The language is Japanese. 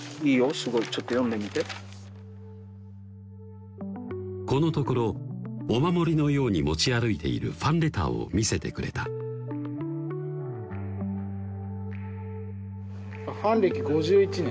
すごいちょっと読んでみてこのところお守りのように持ち歩いているファンレターを見せてくれた「ファン歴５１年」